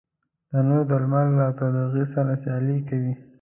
تنور د لمر له تودوخي سره سیالي کوي